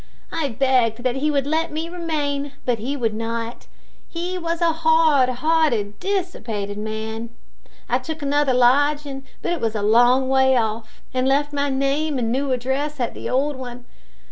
I begged that he would let me remain, but he would not. He was a hard hearted, dissipated man. I took another lodging, but it was a long way off, and left my name and new address at the old one.